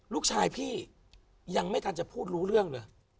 ลูกชายพี่ยังไม่ทันจะพูดรู้เรื่องเลย